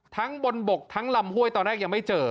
ทั้งบนบกทั้งลำห้วยตอนแรกยังไม่เจอ